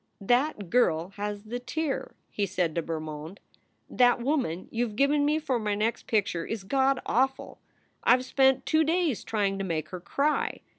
"That girl has the tear," he said to Bermond. "That woman you ve given me for my next picture is God awful. I ve spent two days trying to make her cry.